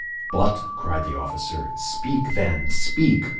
"But," cried the young officer, "speak, then, speak!"